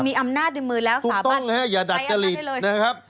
คุณมีอำนาจดื่มมือแล้วสามารถไปอำนาจได้เลยนะครับถูกต้องอย่าดัดจริตนะครับ